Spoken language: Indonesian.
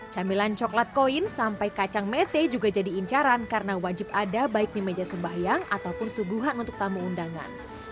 camilan coklat koin sampai kacang mete juga jadi incaran karena wajib ada baik di meja sembahyang ataupun suguhan untuk tamu undangan